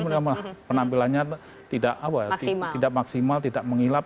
mereka penampilannya tidak maksimal tidak menghilap